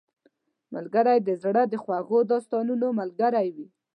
ملګری د زړه د خوږو داستانونو ملګری وي